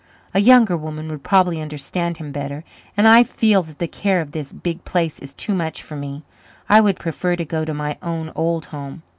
"A younger woman would probably understand him better. And I feel that the care of this big place is too much for me. I would prefer to go to my own old home.